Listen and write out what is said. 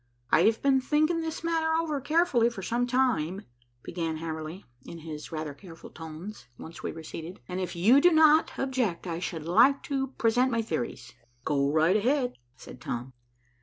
"I have been thinking this matter over carefully for some time," began Hamerly, in his rather careful tones, once we were seated, "and if you do not object I should like to present my theories." "Go right ahead," said Tom.